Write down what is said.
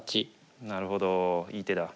なるほどいい手だ。